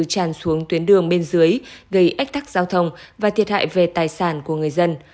tràn xuống tuyến đường bên dưới gây ách tắc giao thông và thiệt hại về tài sản của người dân